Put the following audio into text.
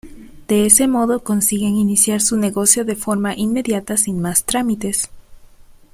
De ese modo consiguen iniciar su negocio de forma inmediata sin más trámites.